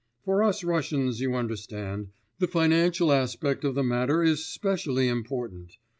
For us Russians, you understand, the financial aspect of the matter is specially important.